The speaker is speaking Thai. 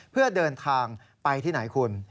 เพื่อเดินทางไปที่ไหนคุณ